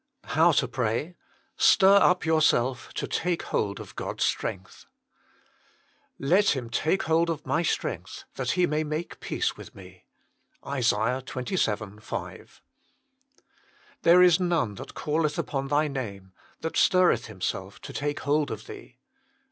HOW TO PRAY. tir irp jronrstlf lo lake holb of (Sob a "Let him take hold of My strength, that he may make peace with Me." ISA. xxvii. 5. "There is none that calleth upon Thy name, that stirreth himself to take hold of Thee."